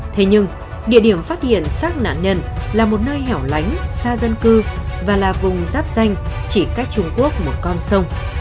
thế nhưng địa điểm phát hiện xác nạn nhân là một nơi hẻo lánh xa dân cư và là vùng giáp danh chỉ cách trung quốc một con sông